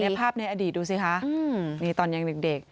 ภาพในอดีตดูสิคะนี่ตอนยังเด็ก